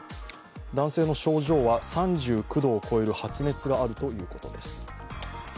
男性の症状は３９度を超える発熱があるということです。